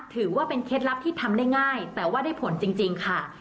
เคล็ดลับที่ทำได้ง่ายแต่ว่าได้ผลจริงค่ะ